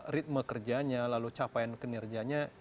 ritme kerjanya lalu capaian kinerjanya